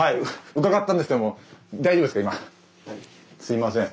伺ったんですけども大丈夫ですか？